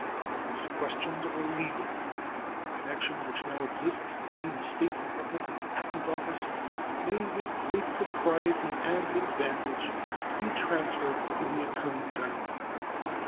These questions are legal, and the connection which now exists between the State Department and the Patent Office may with great propriety and advantage be transferred to the Attorney General.